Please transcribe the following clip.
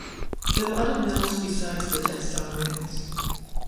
There were other mills besides the textile mills.